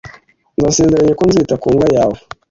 Ndasezeranye ko nzita ku mbwa yawe